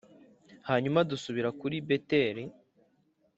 hanyuma dusubira kuri Beteli